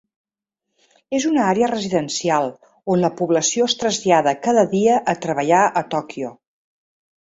És una àrea residencial, on la població es trasllada cada dia a treballar a Tòquio.